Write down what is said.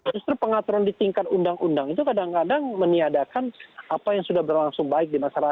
justru pengaturan di tingkat undang undang itu kadang kadang meniadakan apa yang sudah berlangsung baik di masyarakat